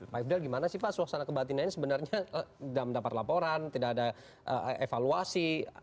pak ifdal gimana sih pak suasana kebatinan ini sebenarnya tidak mendapat laporan tidak ada evaluasi